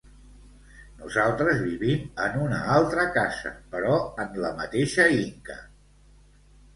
Nosaltres vivim en una altra casa, però en la mateixa Inca.